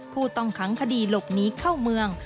ผู้ต้องขังคดีหลบหนีเข้าเมือง